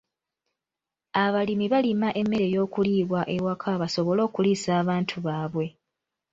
Abalimi balima emmere ey'okuliibwa ewaka basobole okuliisa abantu baabwe.